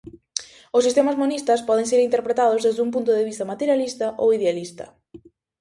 Os sistemas monistas poden ser interpretados desde un punto de vista materialista ou idealista.